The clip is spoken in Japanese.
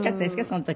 その時。